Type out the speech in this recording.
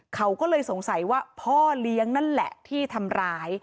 เขาก็เลยสงสัยว่าพ่อเลี้ยงนั่นแหละที่ทำร้าย